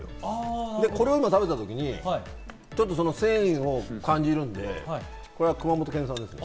これを今、食べた時に、ちょっとその繊維を感じるんで、熊本県産ですね。